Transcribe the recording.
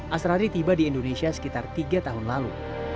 asrari tiba di indonesia sekitar tiga tahun lalu